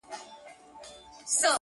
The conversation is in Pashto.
o چي و ويشت نه سې، خبر به نه سې٫